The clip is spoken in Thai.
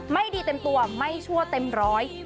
ไม่ดีเต็มตัวไม่ชั่วเต็มร้อย